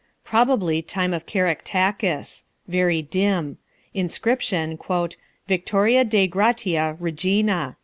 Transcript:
Probably time of Caractacus. Very dim. Inscription, "Victoria Dei gratia regina."